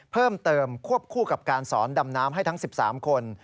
เพิ่มเติมควบคู่กับการสอนดำน้ำให้ทั้ง๑๓คน